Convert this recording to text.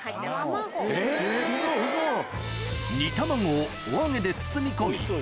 煮卵をお揚げで包み込み